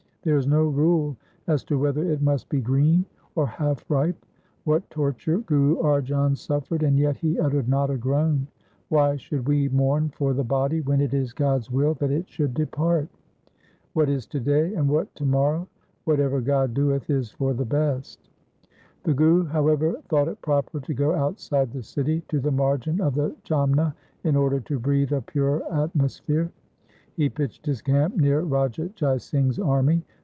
There is no rule as to whether it must be green or half ripe. What torture Guru Arjan suffered, and yet he uttered not a groan ! Why should we mourn for the body when it is God's will that it should depart. What is to day, and what to morrow ? Whatever God doeth is for the best.' The Guru, however, thought it proper to go outside the city to the margin of the Jamna in order to breathe a purer atmosphere. He pitched his camp near Raja Jai Singh's army.